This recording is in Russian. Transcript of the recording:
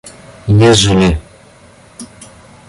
ежели